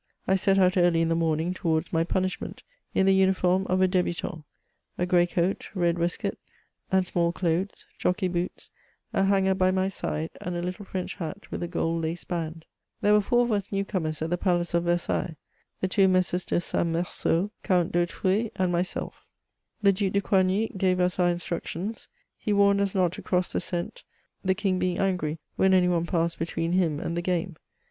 I set out early in the morning towards my punishment, in the uniform of a debutant — ^a grey coat, red waistcoat and small clothes, jockey boots, a hanger by my side, and a little French hat with a gold lace band. There were four of us new comers at the Palace of Versailles ; the two Messrs. de St. Marsault, Count d'Hautefeuille and myself.* The Duke de Coigny gave us our instructions ; he warned us not to cross the scent, the King being angry when any one passed between him and the game.